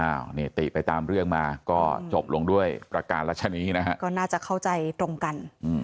นิติไปตามเรื่องมาก็จบลงด้วยประการรัชนีนะฮะก็น่าจะเข้าใจตรงกัน